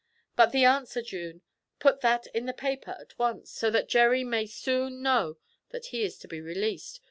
But the answer, June, put that in the paper at once, so that Gerry may soon know that he is to be released.